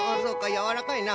やわらかいな。